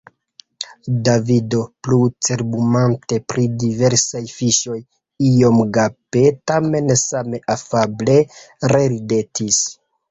Davido, plu cerbumante pri diversaj fiŝoj, iom gape tamen same afable reridetis.